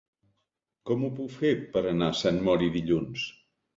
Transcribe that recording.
Com ho puc fer per anar a Sant Mori dilluns?